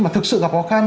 mà thực sự gặp khó khăn